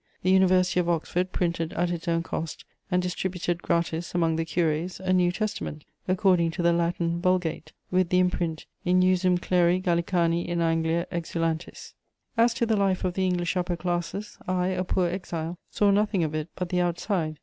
The University of Oxford printed at its own cost and distributed gratis among the curés a New Testament, according to the Latin Vulgate, with the imprint, "In usum cleri Gallicani in Anglia exulantis." As to the life of the English upper classes, I, a poor exile, saw nothing of it but the outside.